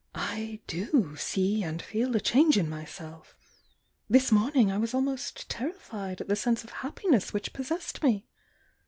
"I do see and feel a change in myself! This morning I was almost terri fied at the sense of happiness which possessed me!